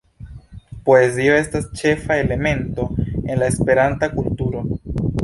Poezio estas ĉefa elemento en la Esperanta kulturo.